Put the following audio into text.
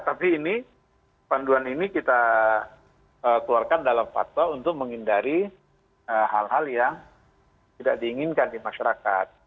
tapi ini panduan ini kita keluarkan dalam fatwa untuk menghindari hal hal yang tidak diinginkan di masyarakat